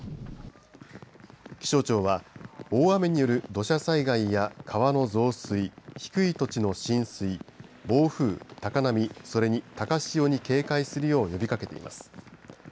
気象庁は大雨による土砂災害や川の増水低い土地の浸水暴風、高波それに高潮に警戒するよう呼びかけています。